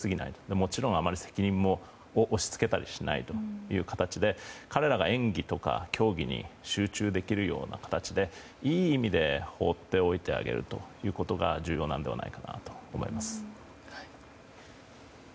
もちろんあまり責任を押し付けたりしない形で彼らが演技とか、競技に集中できるような形でいい意味で放っておいてあげるということが重要なのではないかと思います。